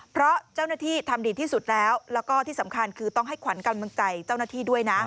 เพราะเจ้าหน้าที่ทำดีที่สุดแล้วแล้วก็ที่สำคัญคือต้องให้ขวัญกำลังใจเจ้าหน้าที่ด้วยนะ